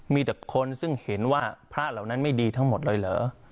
มีแต่คนซึ่งเห็นว่าพระเหล่านั้นไม่ดีทั้งหมดเลยเหรอ